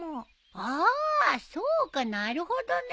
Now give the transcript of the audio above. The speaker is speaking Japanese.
ああそうかなるほどね。